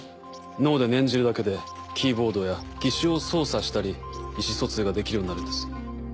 脳で念じるだけでキーボードや義手を操作したり意思疎通ができるようになるんです。